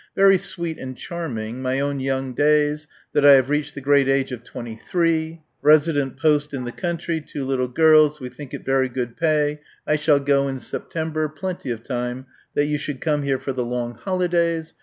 Very sweet and charming my own young days that I have reached the great age of twenty three resident post in the country two little girls we think it very good pay I shall go in September plenty of time that you should come home for the long holidays.